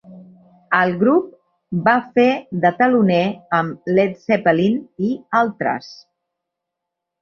El grup va fer de teloner amb Led Zeppelin i altres.